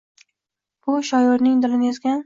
Bu — shoirning dilin ezgan